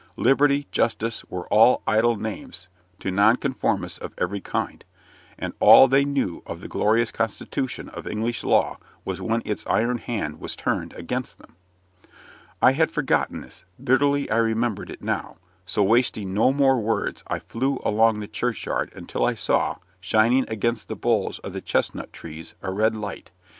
Liberty, justice, were idle names to Nonconformists of every kind; and all they knew of the glorious constitution of English law was when its iron hand was turned against them. I had forgotten this; bitterly I remembered it now. So wasting no more words, I flew along the church yard, until I saw, shining against the boles of the chestnut trees, a red light.